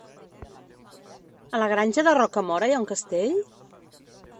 A la Granja de Rocamora hi ha un castell?